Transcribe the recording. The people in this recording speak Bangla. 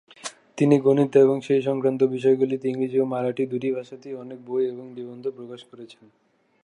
তিনি গণিত এবং সেই সংক্রান্ত বিষয়গুলিতে ইংরেজি ও মারাঠি দুটি ভাষাতেই অনেক বই এবং নিবন্ধ প্রকাশ করেছেন।